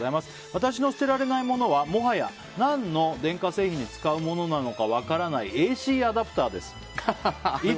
私の捨てられないものはもはや何の電化製品に使うものなのか分からないＡＣアダプタです。